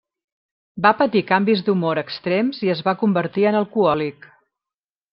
Va patir canvis d'humor extrems i es va convertir en alcohòlic.